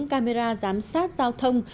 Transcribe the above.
camera giám sát giao thông